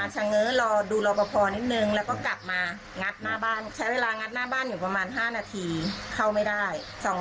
ใช้เวลาอยู่ด้านหลังประมาณ๔๐นาทีถึง๑ชั่วโมง